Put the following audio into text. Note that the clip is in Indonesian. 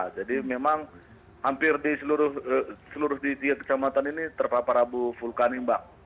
jadi memang hampir di seluruh tiga kecamatan ini terpapar abu vulkanik mbak